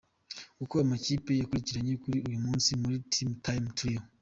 Uko amakipe yakurikiranye kuri uyu munsi muri Team Time Trial.